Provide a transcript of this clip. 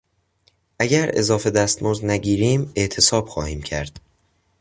اگر اضافه دستمزد نگیریم اعتصاب خواهیم کرد.